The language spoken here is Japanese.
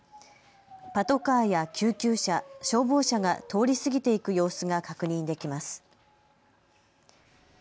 パトカーや救急車、消防車が通り過ぎていく様子が確認できます。